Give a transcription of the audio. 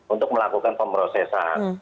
untuk melakukan pemrosesan